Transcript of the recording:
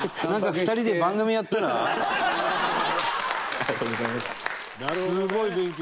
ありがとうございます。